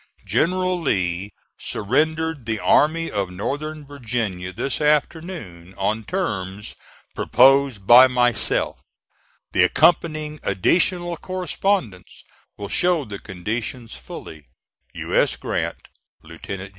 General Lee surrendered the Army of Northern Virginia this afternoon on terms proposed by myself. The accompanying additional correspondence will show the conditions fully. U. S. GRANT, Lieut.